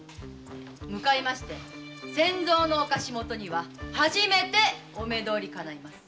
向かいまして仙造のお貸元には初めてお目どおりかないます。